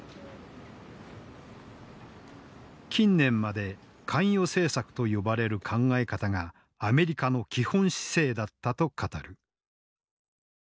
近年まで関与政策と呼ばれる考え方がアメリカの基本姿勢だったと語る。